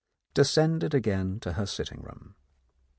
descended again to her sitting room.